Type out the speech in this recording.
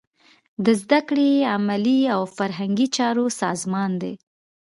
د زده کړې، علمي او فرهنګي چارو سازمان دی.